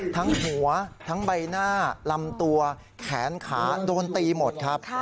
ทั้งหัวทั้งใบหน้าลำตัวแขนขาโดนตีหมดครับ